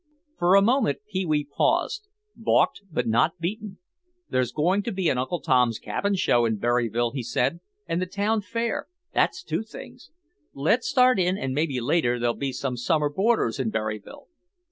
For a moment Pee wee paused, balked but not beaten. "There's going to be an Uncle Tom's Cabin show in Berryville," he said, "and the town fair, that's two things. Let's start in and maybe later there'll be some summer boarders in Berryville.